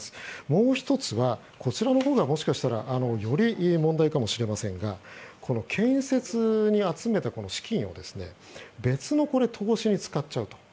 もう１つはこちらのほうがもしかしたらより問題かもしれませんが建設に集めた資金を別の投資に使っちゃうと。